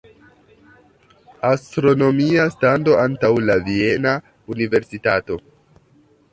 Astronomia stando antaŭ la viena universitato.